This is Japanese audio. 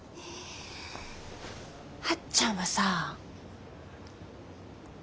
はっちゃんはさ。